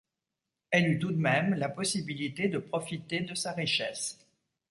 Elle eut tout de même la possibilité de profiter de sa richesse.